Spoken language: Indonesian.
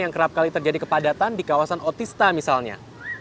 yang kerap kali terjadi kepadatan di kawasan otista misalnya